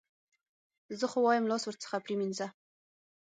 زه خو وایم لاس ورڅخه پرې مینځه.